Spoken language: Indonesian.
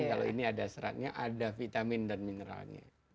kalau ini ada seratnya ada vitamin dan mineralnya